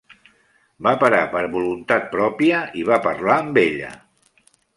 Va para per voluntat pròpia i va parlar amb ella.